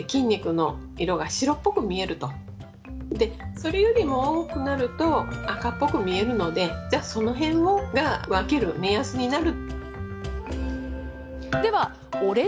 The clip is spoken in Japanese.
それよりも多くなると赤っぽく見えるので、じゃあ、その辺が分ける目安になる。